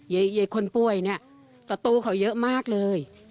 เจนคนป้วยเนี่ยสตูเขาเยอะมากเลย